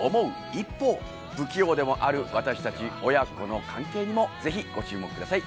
一方不器用でもある私達親子の関係にもぜひご注目ください